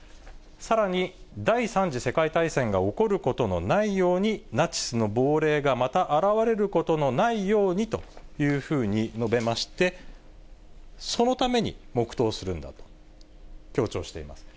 さらに、第３次世界大戦が起こることのないように、ナチスの亡霊がまた現れることのないようにというふうに述べまして、そのために黙とうをするんだと強調しています。